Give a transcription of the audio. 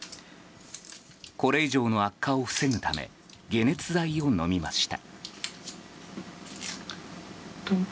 これ以上の悪化を防ぐため解熱剤を飲みました。